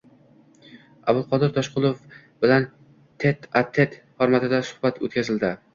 Abduqodir Toshqulov bilan “tet-a-tet” formatida suhbat oʻtkazildi.